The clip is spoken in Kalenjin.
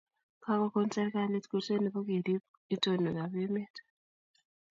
kakokon serikali kurset nebo keriib itonwekabemet